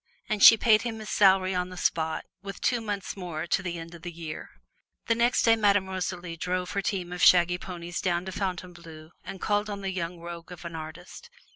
And she paid him his salary on the spot with two months more to the end of the year. The next day Madame Rosalie drove her team of shaggy ponies down to Fontainebleau and called on the young rogue of an artist.